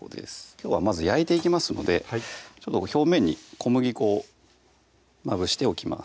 きょうはまず焼いていきますので表面に小麦粉をまぶしておきます